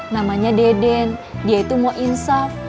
namanya deden dia itu mau insaf